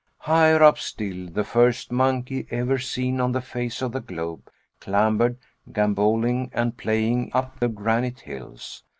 Higher up still, the first monkey ever seen on the face of the globe clambered, gamboling and playing up the granite hills.